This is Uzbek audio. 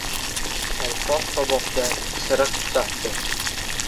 Taypoq toboqda isiriq tutatdi.